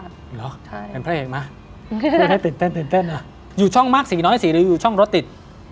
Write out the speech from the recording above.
หรือเหรอเป็นผู้แห่งมากไม่ได้ตื่นเต้นอยู่ช่องมากสิน้อยสิหรืออยู่ช่องรถติด